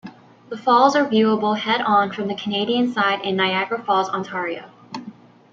The falls are viewable head-on from the Canadian side in Niagara Falls, Ontario.